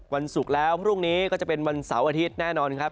วันศุกร์แล้วพรุ่งนี้ก็จะเป็นวันเสาร์อาทิตย์แน่นอนครับ